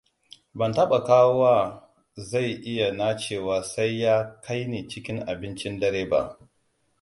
Ban taɓa kawowa zai iya nacewa sai ya kaini cin abincin dare ba.